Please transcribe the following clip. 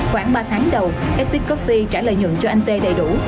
khoảng ba tháng đầu stcoffee trả lời nhuận cho anh tê đầy đủ